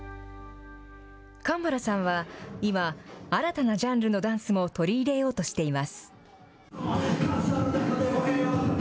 かんばらさんは、今、新たなジャンルのダンスも取り入れようとしています。